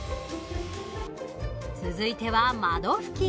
続いては、窓拭き。